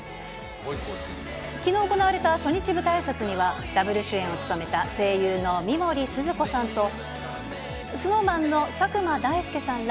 きのう行われた初日舞台あいさつには、ダブル主演を務めた声優の三森すずこさんと、ＳｎｏｗＭａｎの佐久間大介さんら